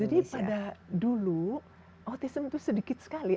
jadi pada dulu autism itu sedikit sekali